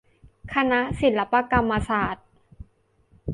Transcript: คณะศิลปกรรมศาสตร์